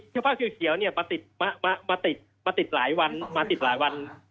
ภาพคิวเขียวเนี่ยมาติดหลายวัน